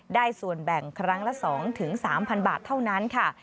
ได้ส่วนแบ่งครั้งละ๒๓๐๐บาทเท่านั้นค่ะ